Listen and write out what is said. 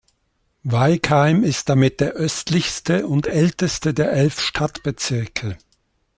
Weigheim ist damit der östlichste und älteste der elf Stadtbezirke.